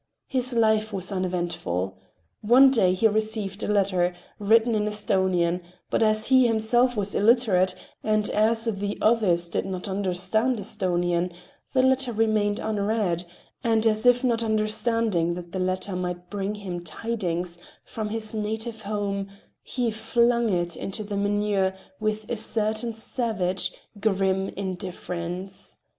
His life was uneventful. One day he received a letter, written in Esthonian, but as he himself was illiterate, and as the others did not understand Esthonian, the letter remained unread; and as if not understanding that the letter might bring him tidings from his native home, he flung it into the manure with a certain savage, grim indifference.